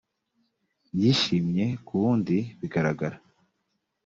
yishimye ku wundi bigaragara